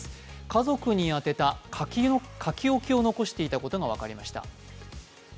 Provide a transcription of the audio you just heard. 家族に宛てた書き置きを残していたことが分かりました。